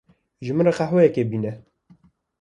Ji min re qehweyekê bîne.